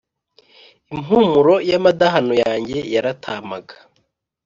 Impumuro y’amadahano yanjye yaratāmaga.